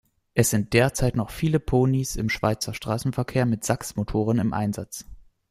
Es sind derzeit noch viele Ponys im Schweizer Strassenverkehr mit Sachs-Motoren im Einsatz.